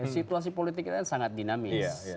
situasi politik kita sangat dinamis